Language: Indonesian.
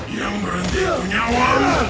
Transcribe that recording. yang berhenti itu nyawa lu